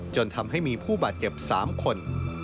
จนทำให้มีผู้บาดเจ็บ๓คน